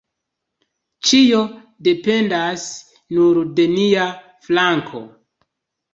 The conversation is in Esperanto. Ĉio dependas nur de nia flanko.